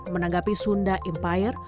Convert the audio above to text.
menanggapi sunda empire